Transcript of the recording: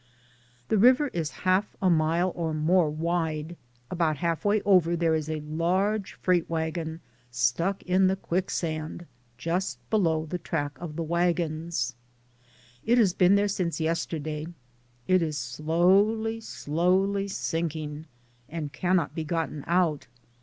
The river is half a mile or more wide, about half way over there is a large freight wagon stuck in the quicksand, just below the track of the wagons ; it has been there since yesterday; it is slowly, slowly sinking, and cannot be gotten out.